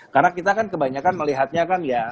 karena kita kan kebanyakan melihatnya kan ya